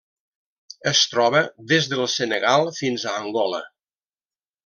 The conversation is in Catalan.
Es troba des del Senegal fins a Angola.